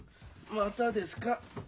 またですか？